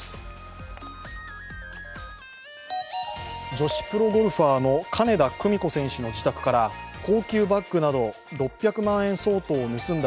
女子プロゴルファーの金田久美子選手の自宅から高級バッグなど６００万円相当を盗んだ